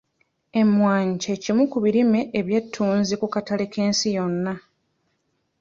Emmwanyi kye kimu ku birime eby'ettunzi ku katale k'ensi yonna.